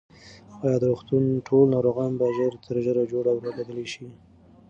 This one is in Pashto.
ایا د روغتون ټول ناروغان به ژر تر ژره جوړ او رغېدلي شي؟